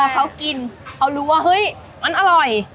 เขากินเขารู้ว่าเฮ้ยมันอร่อย